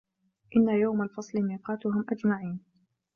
إِنَّ يَومَ الفَصلِ ميقاتُهُم أَجمَعينَ